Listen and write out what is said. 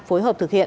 phối hợp thực hiện